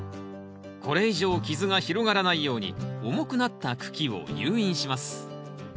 これ以上傷が広がらないように重くなった茎を誘引します